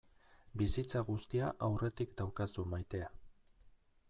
Bizitza guztia aurretik daukazu maitea.